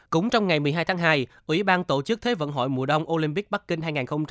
cũng trong ngày một mươi hai tháng hai ủy ban tổ chức thế vận hội mùa đông olympic bắc kinh